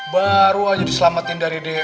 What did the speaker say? baru aja diselamatin dari d e u